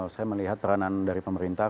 saya melihat peranan dari pemerintah